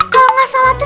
kalau gak salah tuh